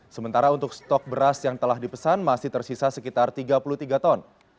sementara untuk stok beras yang telah dipesan masih tersisa sekitar tiga puluh tiga ton